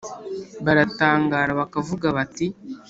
baratangara bakavuga bati